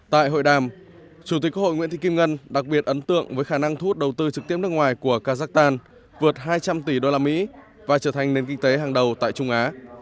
tại hội đàm chủ tịch quốc hội nguyễn thị kim ngân đặc biệt ấn tượng với khả năng thu hút đầu tư trực tiếp nước ngoài của kazakhstan vượt hai trăm linh tỷ usd và trở thành nền kinh tế hàng đầu tại trung á